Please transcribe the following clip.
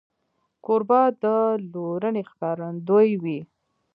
کوربه د لورینې ښکارندوی وي.